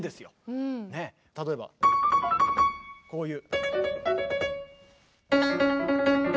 例えばこういう。